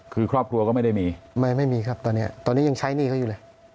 คือครอบครัวก็ไม่ได้มีไม่มีครับตอนนี้ตอนนี้ยังใช้หนี้เขาอยู่เลย